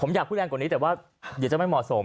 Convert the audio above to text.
ผมอยากพูดแรงกว่านี้แต่ว่าเดี๋ยวจะไม่เหมาะสม